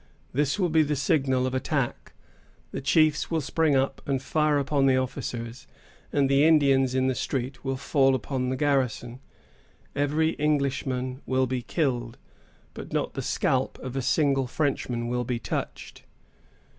This will be the signal of attack. The chiefs will spring up and fire upon the officers, and the Indians in the street will fall upon the garrison. Every Englishman will be killed, but not the scalp of a single Frenchman will be touched.